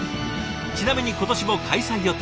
ちなみに今年も開催予定。